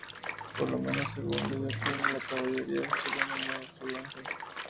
Por lo menos, según Dellepiane, la caballería chilena no usó lanzas.